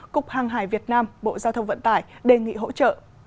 cục hàng hải việt nam bộ giao thông vận tải đề nghị hỗ trợ